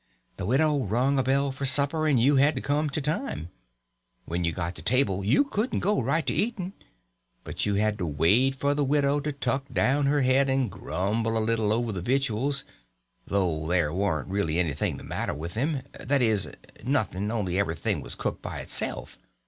The widow rung a bell for supper, and you had to come to time. When you got to the table you couldn't go right to eating, but you had to wait for the widow to tuck down her head and grumble a little over the victuals, though there warn't really anything the matter with them,—that is, nothing only everything was cooked by itself.